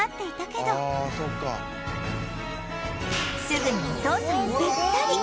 すぐにお父さんにべったり！